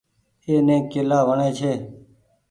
ايني ڪيلآ وڻي ڇي۔